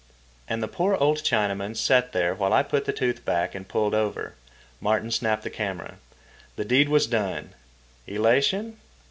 And the poor old Chinaman sat there while I put the tooth back and pulled over. Martin snapped the camera. The deed was done. Elation?